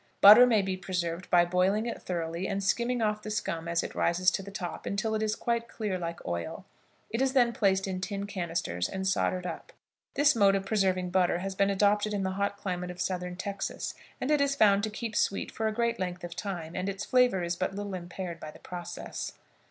Butter may be preserved by boiling it thoroughly, and skimming off the scum as it rises to the top until it is quite clear like oil. It is then placed in tin canisters and soldered up. This mode of preserving butter has been adopted in the hot climate of southern Texas, and it is found to keep sweet for a great length of time, and its flavor is but little impaired by the process.